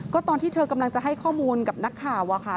ก็ตอนที่เธอกำลังจะให้ข้อมูลกับนักข่าวอะค่ะ